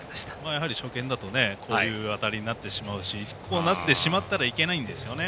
やはり初見だとこういう当たりになってしまうしこうなってしまったらいけないんですよね。